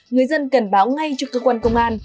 người dân cần báo ngay cho cơ quan công an